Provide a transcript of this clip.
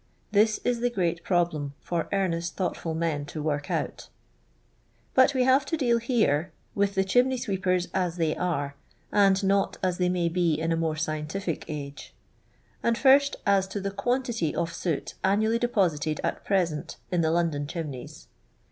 This is the great pro blem for earnest thoughtful men to work out ! But we have to d^al here with the chimney sweepers as they are, and not at they may be in a more scientific age. And, first, as to Ot^ qmnlity of soot annually deposited at present in the London chimneys.